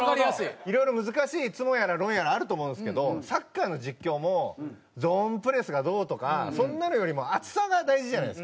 いろいろ難しいツモやらロンやらあると思うんですけどサッカーの実況もゾーンプレスがどうとかそんなのよりも熱さが大事じゃないですか。